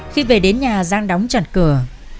khi về đến nhà giang đóng chặt cửa